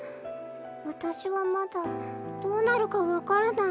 わたしはまだどうなるかわからない。